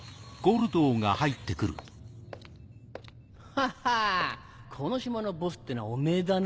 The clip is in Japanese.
はっはんこの島のボスってのはおめぇだな？